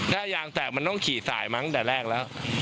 ถ้ายางแตกมันต้องขี่สายมั้งแต่แรกแล้ว